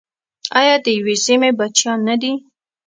آیا د یوې سیمې بچیان نه دي؟